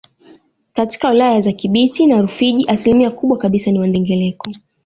Katika wilaya za Kibiti na Rufiji asilimia kubwa kabisa ni Wandengereko